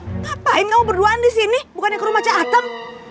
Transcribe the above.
ngapain kamu berduaan disini bukannya kamu baca atem